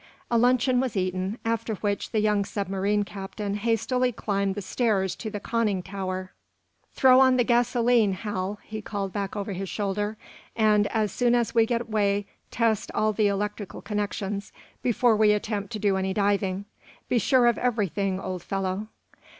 A luncheon was eaten, after which, the young submarine captain hastily climbed the stairs to the conning tower. "Throw on the gasoline, Hal," he called back over his shoulder. "And, as soon as we get way, test all the electric connections, before we attempt to do any diving. Be sure of everything old fellow."